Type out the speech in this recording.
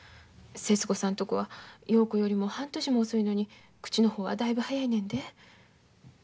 節子さんとこは陽子よりも半年も遅いのに口の方はだいぶ早いねんで。